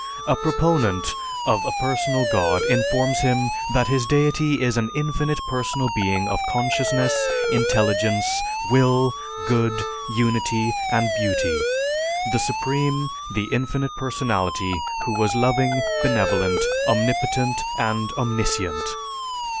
A proponent of a personal God informs him that his deity is an infinite personal being of consciousness, intelligence, will, good, unity, and Beauty; the Supreme, the infinite personality, who was loving, benevolent, omnipotent, and omniscient.